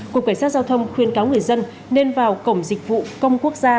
cục cảnh sát giao thông khuyên cáo người dân nên vào cổng dịch vụ công quốc gia